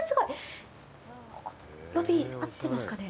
ここでロビー合ってますかね。